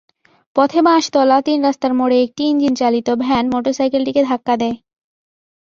পথে বাঁশতলা তিন রাস্তার মোড়ে একটি ইঞ্জিনচালিত ভ্যান মোটরসাইকেলটিকে ধাক্কা দেয়।